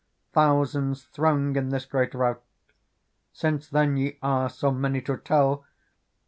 Thousands throng in this great rout : Since then ye are so many to tell.